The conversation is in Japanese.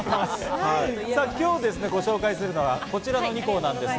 今日ご紹介するのはこちらの２校です。